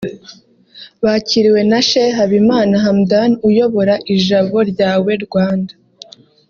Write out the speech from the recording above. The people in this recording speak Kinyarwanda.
bakiriwe na Sheikh Habimana Hamdan uyobora Ijabo Ryawe Rwanda